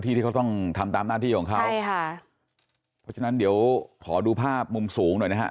ที่เขาต้องทำตามหน้าที่ของเขาใช่ค่ะเพราะฉะนั้นเดี๋ยวขอดูภาพมุมสูงหน่อยนะฮะ